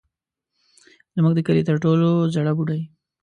زموږ د کلي تر ټولو زړه بوډۍ.